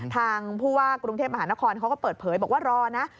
ทางผู้ว่ากรุงเทพมหานครเขาก็เปิดเผยบอกว่ารอนะ